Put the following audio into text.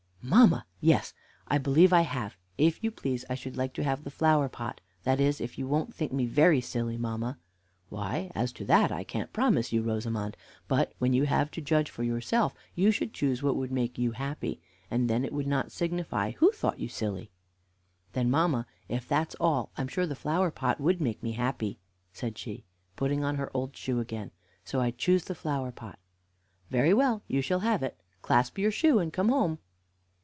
"Mamma! yes, I believe I have. If you please, I should like to have the flower pot; that is, if you won't think me very silly, mamma." "Why, as to that, I can't promise you, Rosamond; but when you have to judge for yourself you should choose what would make you happy, and then it would not signify who thought you silly." "Then, mamma, if that's all, I'm sure the flower pot would make me happy," said she, putting on her old shoe again; "so I choose the flower pot." "Very well, you shall have it; clasp your shoe and come home."